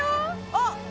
あっ！